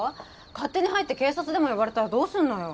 勝手に入って警察でも呼ばれたらどうすんのよ？